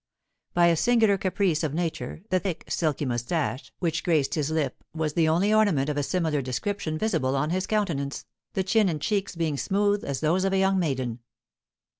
By a singular caprice of nature, the thick, silky moustache which graced his lip was the only ornament of a similar description visible on his countenance, the chin and cheeks being smooth as those of a young maiden.